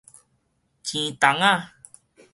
錢筒仔